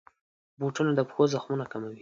بوټونه د پښو زخمونه کموي.